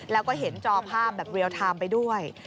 แล้วก็เห็นจอภาพแบบเรียลไทม์ไปด้วย